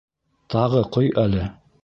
Тағы ҡой әле!